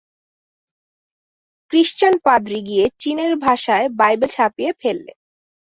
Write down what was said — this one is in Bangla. ক্রিশ্চান পাদ্রী গিয়ে চীনে ভাষায় বাইবেল ছাপিয়ে ফেললে।